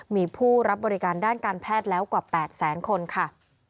มีผู้รับบริการด้านการแพทย์แล้วกว่า๘แสนคนค่ะ